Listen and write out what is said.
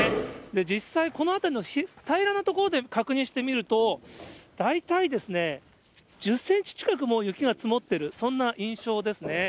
実際この辺りの平らな所で、確認してみると、大体ですね、１０センチ近く、もう雪が積もっている、そんな印象ですね。